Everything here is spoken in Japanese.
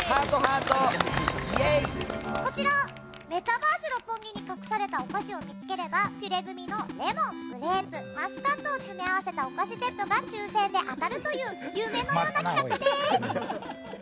こちら、メタバース六本木に隠されたお菓子を見つけるとピュレグミのレモン、グレープマスカットを詰め合わせたお菓子セットが抽選で当たるという夢のような企画です！